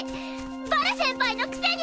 バル先輩のくせに！